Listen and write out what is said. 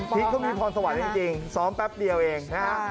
ก็มีพรสวรรค์จริงซ้อมแป๊บเดียวเองนะฮะ